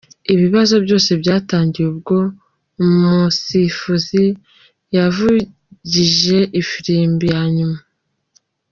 Ibibazo byose byatangiye ubwo umusifuzi yavugije ifirimbi ya nyuma.